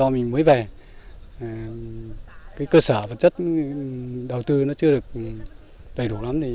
mình mới về cơ sở vật chất đầu tư nó chưa được đầy đủ lắm